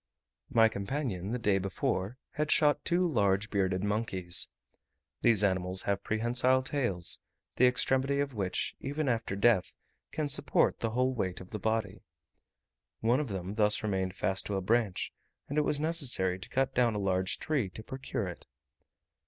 My companion, the day before, had shot two large bearded monkeys. These animals have prehensile tails, the extremity of which, even after death, can support the whole weight of the body. One of them thus remained fast to a branch, and it was necessary to cut down a large tree to procure it.